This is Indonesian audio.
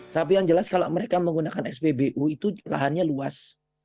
tapi yang jelas kalau mereka menggunakan spbu itu lahannya luas